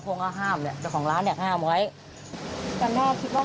จะเกี่ยวข้องกับเรื่องที่สำนักวง